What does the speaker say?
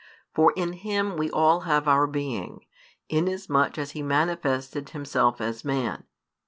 For in Him we all have our being, inasmuch as He manifested Himself as Man.